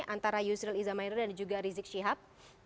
antara yusril izamander dan juga rizik syihab